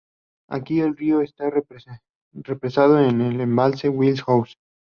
Aquí el río está represado en el embalse Wild Horse.